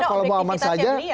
kalau mau aman saja